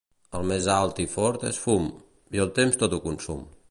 El més alt i fort és fum, i el temps tot ho consum.